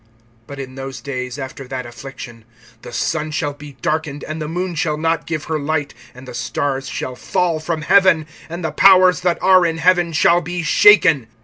(24)But in those days, after that affliction, the sun shall be darkened, and the moon shall not give her light; (25)and the stars shall fall from heaven, and the powers that are in heaven shall be shaken.